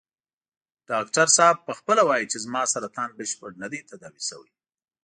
ډاکټر صاحب په خپله وايي چې زما سرطان بشپړ نه دی تداوي شوی.